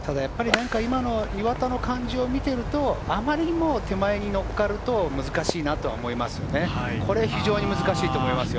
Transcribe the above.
岩田の感じを見ていると、あまりにも手前に乗っかると難しいなと思いますね。